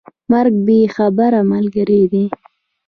مرګ بې خبره ملګری دی.